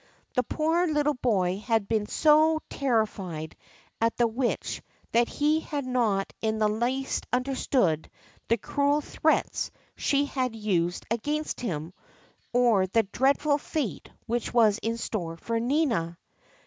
The poor little boy had been so terrified at the Witch that he had not in the least understood the cruel threats she had used against him, or the dreadful fate which was in store for Nina.